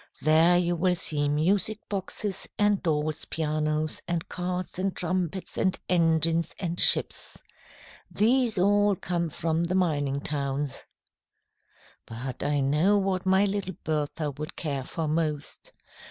There you will see music boxes and dolls' pianos and carts and trumpets and engines and ships. These all come from the mining towns. "But I know what my little Bertha would care for most.